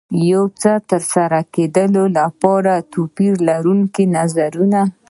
د یو څه ترسره کېدو لپاره توپير لرونکي نظرونه.